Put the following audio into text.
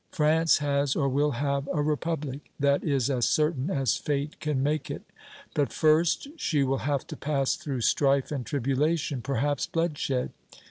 France has or will have a Republic. That is as certain as fate can make it. But first she will have to pass through strife and tribulation perhaps bloodshed.